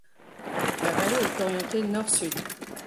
La vallée est orientée nord-sud.